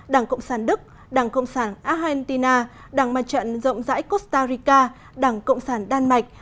đảng cộng sản đức đảng cộng sản argentina đảng mặt trận rộng rãi costa rica đảng cộng sản đan mạch